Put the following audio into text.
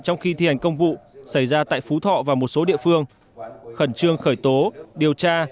trong khi thi hành công vụ xảy ra tại phú thọ và một số địa phương khẩn trương khởi tố điều tra